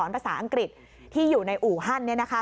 ภาษาอังกฤษที่อยู่ในอู่ฮั่น